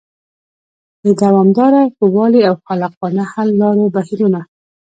د دوامداره ښه والي او خلاقانه حل لارو بهیرونه